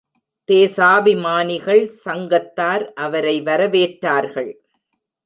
தேசாபிமானிகள் சங்கத்தார் அவரை வரவேற்றார்கள்.